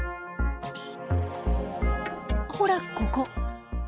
ほらここ！